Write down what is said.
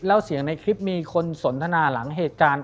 แล้วเสียงในคลิปมีคนสนทนาหลังเหตุการณ์